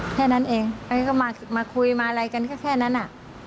แค่นั้นเองแล้วก็มาคุยมาอะไรกันก็แค่นั้นอ่ะ